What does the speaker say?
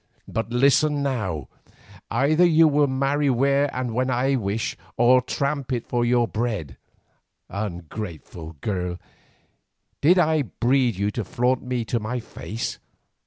"But listen now, either you will marry where and when I wish, or tramp it for your bread. Ungrateful girl, did I breed you to flaunt me to my face?